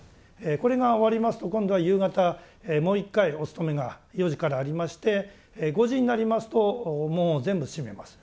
これが終わりますと今度は夕方もう一回お勤めが４時からありまして５時になりますと門を全部閉めます。